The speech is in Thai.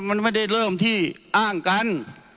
มันไม่ได้เริ่มที่อ้างกัน